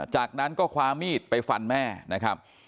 จากนั้นก็คว้ามีดไปฟันแม่นะครับ